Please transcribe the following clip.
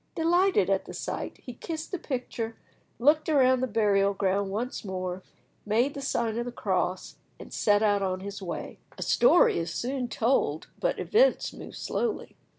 Delighted at the sight, he kissed the picture, looked around the burial ground once more, made the sign of the cross, and set out on his way. A story is soon told, but events move slowly.